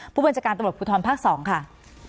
ผู้บัญชาการตำรวจภูทรภาค๒ค่ะ